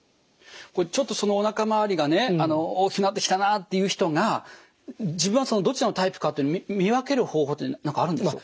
ちょっとおなか周りがね大きくなってきたなっていう人が自分はどちらのタイプかって見分ける方法って何かあるんですか？